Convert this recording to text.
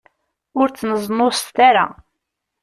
Ur ttneẓnuẓet ara.